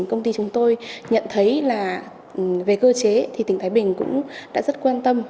công ty chúng tôi nhận thấy là về cơ chế thì tỉnh thái bình cũng đã rất quan tâm